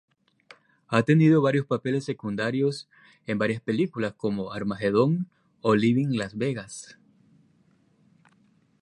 Ha tenido papeles secundarios en varias películas como "Armageddon" o "Leaving Las Vegas".